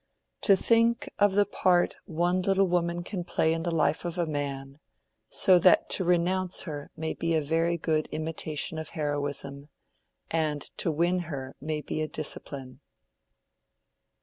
"To think of the part one little woman can play in the life of a man, so that to renounce her may be a very good imitation of heroism, and to win her may be a discipline!"